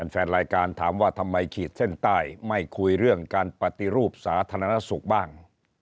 แฟนรายการถามว่าทำไมขีดเส้นใต้ไม่คุยเรื่องการปฏิรูปสาธารณสุขบ้าง